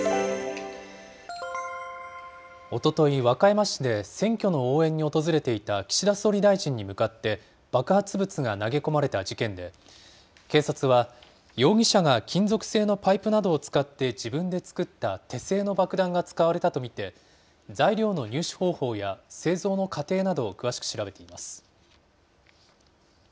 おととい、和歌山市で選挙の応援に訪れていた岸田総理大臣に向かって、爆発物が投げ込まれた事件で、警察は、容疑者が金属製のパイプなどを使って自分で作った手製の爆弾が使われたと見て、材料の入手方法や製造の過程などを詳しく調べています。